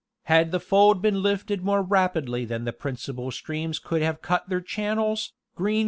Had the fold been lifted more rapidly than the principal streams could have cut their channels, Green.